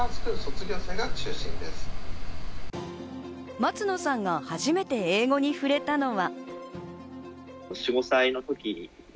松野さんが初めて英語に触れたのは。